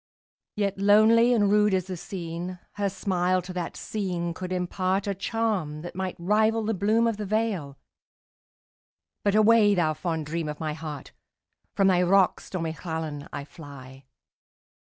Yet lonely and rude as the scene, Her smile to that scene could impartA charm that might rival the bloom of the vale,—But away, thou fond dream of my heart! From thy rocks, stormy Llannon, I fly.